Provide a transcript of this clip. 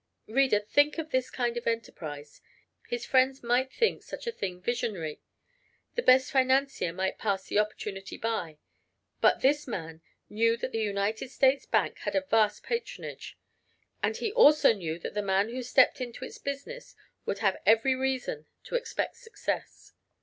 Reader, think of this kind of enterprise. His friends might think such a thing visionary; the best financier might pass the opportunity by, but this man knew that the United States Bank had a vast patronage, and he also knew that the man who stepped into its business would have every reason to expect success.